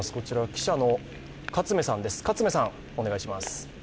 記者の勝目さんです。